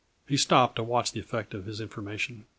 He stopped to watch the effect of his information.